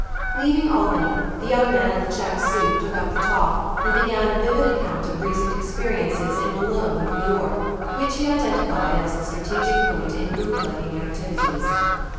Leaving Albany, the young man in the check suit took up the talk and began a vivid account of recent experiences in Malone, N. Y., which he identified as the strategic point in bootlegging activities.